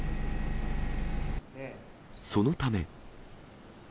そのため。